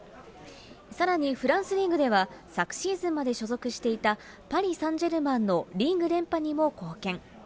さらに、フランスリーグでは、昨シーズンまで所属していたパリ・サンジェルマンのリーグ連覇にも貢献。